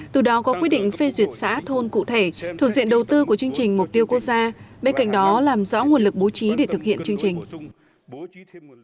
từ đó có quyết định phê duyệt xã thôn cụ thể thuộc diện đầu tư của chương trình mục tiêu quốc gia bên cạnh đó làm rõ nguồn lực bố trí để thực hiện chương trình